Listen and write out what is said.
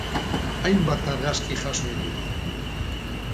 Hainbat argazki jaso ditugu.